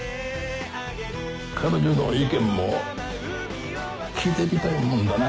彼女の意見も聞いてみたいもんだな。